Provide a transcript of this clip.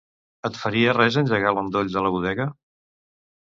Et faria res engegar l'endoll de la bodega?